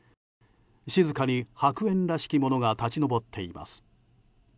静かに白煙らしきものが立ち上っています。